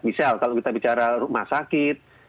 misal kalau kita bicara rumah sakit